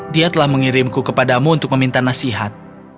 dia telah mengirimku kepadamu untuk meminta nasihat